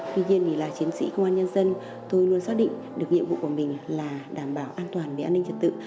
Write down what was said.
tuy nhiên thì là chiến sĩ công an nhân dân tôi luôn xác định được nhiệm vụ của mình là đảm bảo an toàn về an ninh trật tự